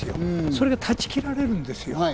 それが断ち切られるんですよ。